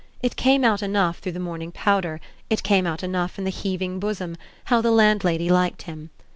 It came out enough through the morning powder, it came out enough in the heaving bosom, how the landlady liked him.